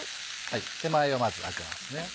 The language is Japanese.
手前をまず空けます。